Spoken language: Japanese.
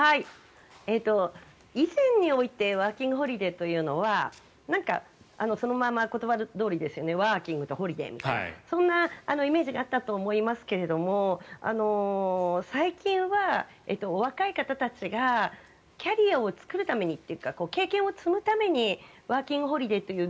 以前においてワーキングホリデーというのはそのまま言葉どおりワーキングとホリデーみたいなそんなイメージがあったと思いますが最近は若い方たちがキャリアを作るために行くというか経験を積むためにワーキングホリデーという